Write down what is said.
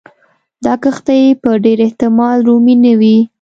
دا کښتۍ په ډېر احتمال رومي نه وې.